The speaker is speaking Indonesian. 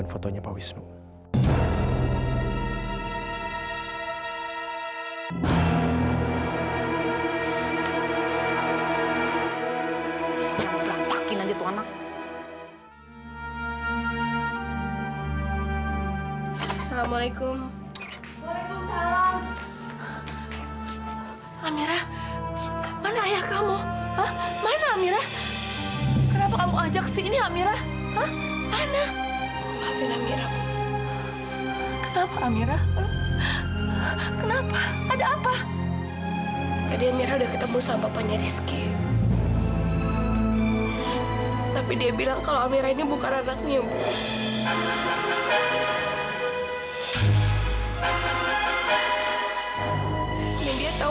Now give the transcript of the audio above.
sampai jumpa di video selanjutnya